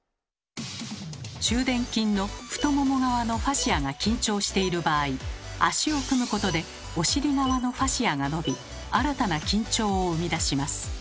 中臀筋の太もも側のファシアが緊張している場合足を組むことでお尻側のファシアが伸び新たな緊張を生み出します。